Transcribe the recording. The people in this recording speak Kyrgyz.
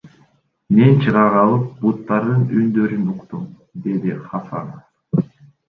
Мен чыга калып буттардын үндөрүн уктум, — деди Хасанов.